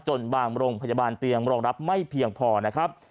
จนบางโรงพยาบาลเตียงรองรับไม่เพียงพอนะครับ